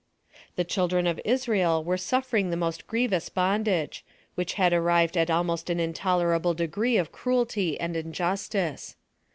The children of Israel were suifering the most grievous bondage, which had arrived at almost an intolerable degree of cruelty and injustice.